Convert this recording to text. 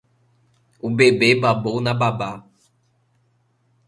O bebê babou na babá